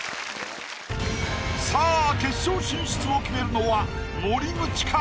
さあ決勝進出を決めるのは森口か？